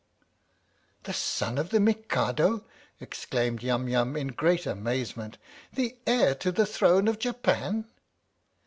" The son of the Mikado !" exclaimed Yum Yum in great amazement. " The heir to the throne of Japan?"